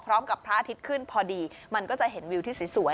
พร้อมกับพระอาทิตย์ขึ้นพอดีมันก็จะเห็นวิวที่สวยสวย